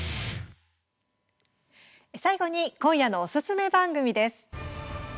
最後に今夜のおすすめ番組です。